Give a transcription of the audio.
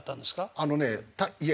あのねいえ